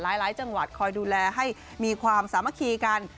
หลายจังหวัดคอยดูแลให้มีความสามัคคีกัน